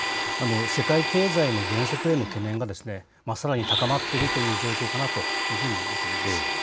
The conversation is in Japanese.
世界経済の減速への懸念が、さらに高まっているという状況かなというふうに見ています。